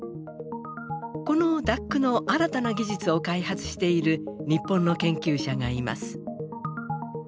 このＤＡＣの新たな技術を開発している日本の研究者がいます。